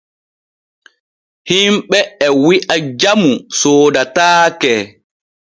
Himɓe e wi’a jamu soodataake.